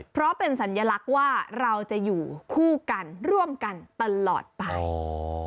เพราะเป็นสัญลักษณ์ว่าเราจะอยู่คู่กันร่วมกันตลอดไป